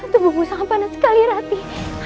tubuhmu sangat panas sekali ratih